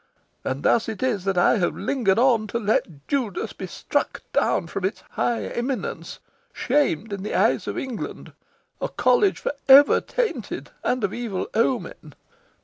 And thus it is that I have lingered on to let Judas be struck down from its high eminence, shamed in the eyes of England a College for ever tainted, and of evil omen."